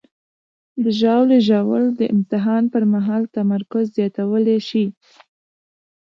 د ژاولې ژوول د امتحان پر مهال تمرکز زیاتولی شي.